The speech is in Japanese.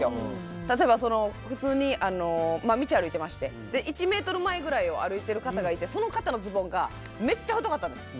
例えば、普通に道を歩いてまして１ｍ前ぐらいを歩いている方がいてその方のズボンがめっちゃ太かったんです。